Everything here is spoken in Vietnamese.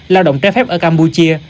lao động trái phép ở campuchia